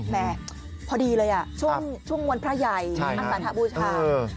แหมพอดีเลยช่วงวันพระใหญ่อันตราบูชา